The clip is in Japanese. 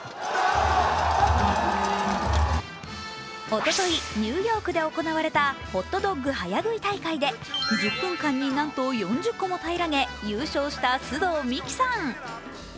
おととい、ニューヨークで行われたホットドッグ早食い大会で１０分間になんと４０個も平らげ、優勝した須藤美貴さん。